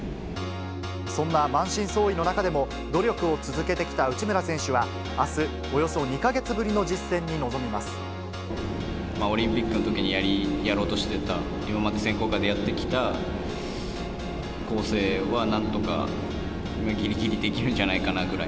そんな満身創痍の中でも、努力を続けてきた内村選手はあす、およそ２か月ぶりの実戦に臨みまオリンピックのときにやろうとしていた、今まで選考会でやってきた構成は、なんとか、ぎりぎりできるんじゃないかなぐらい。